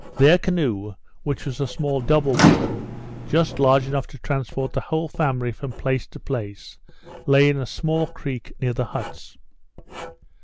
Their canoe, which was a small double one, just large enough to transport the whole family from place to place, lay in a small creek near the huts.